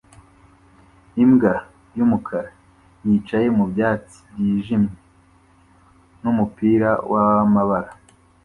Imbwa y'umukara yicaye mu byatsi byijimye n'umupira w'amabara